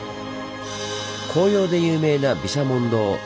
紅葉で有名な毘沙門堂。